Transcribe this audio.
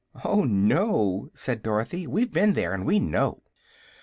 "Oh, no," said Dorothy, "we've been there, and we know."